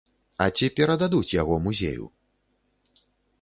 А ці перададуць яго музею?